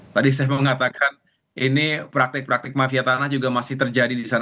tadi saya mengatakan ini praktik praktik mafia tanah juga masih terjadi di sana